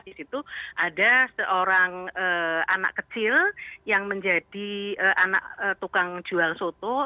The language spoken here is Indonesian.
di situ ada seorang anak kecil yang menjadi anak tukang jual soto